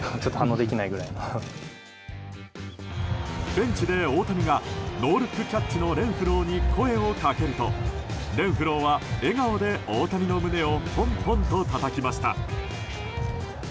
ベンチで大谷がノールックキャッチのレンフローに声をかけるとレンフローは笑顔で大谷の胸をポンポンとたたきました。